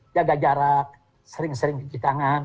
jaga jarak sering sering cuci tangan